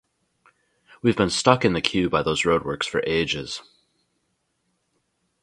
We've been stuck in the queue by those roadworks for ages.